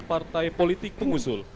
partai politik pengusul